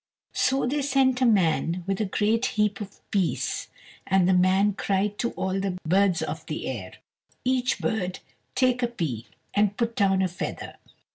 So they sent a man with a great heap of pease; and the man cried to all the birds of the air, "Each bird take a pea, and put down a feather."